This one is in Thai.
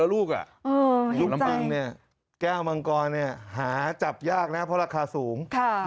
ลูกมังเนี่ยแก้วมังกรเนี่ยหาจับยากนะเพราะราคาสูง